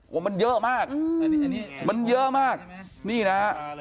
โอ้โหมันเยอะมากมันเยอะมากนี่นะฮะ